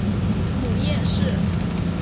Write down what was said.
母阎氏。